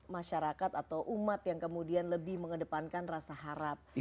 masyarakat atau umat yang kemudian lebih mengedepankan rasa harap